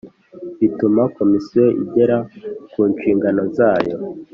Bituma komisiyo igera ku nshingano zayo